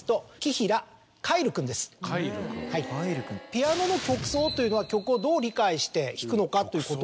ピアノの曲想というのは曲をどう理解して弾くのかということ。